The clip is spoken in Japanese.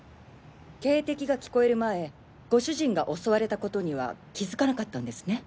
警笛が聞こえる前ご主人が襲われたことには気づかなかったんですね。